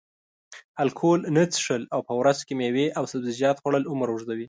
الکول نه څښل او په ورځ کې میوې او سبزیجات خوړل عمر اوږدوي.